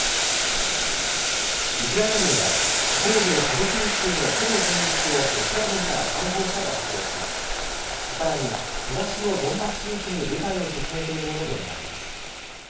ウクライナ軍は東部ハルキウ州のほぼ全域をロシア軍から解放したと発表し、さらに東のドンバス地域に部隊を進めているものと見られます。